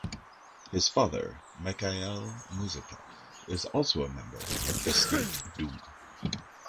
His father, Mikhail Musatov, is also a member of the State Duma.